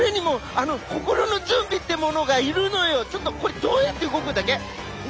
俺にもちょっとこれどうやって動くんだっけ？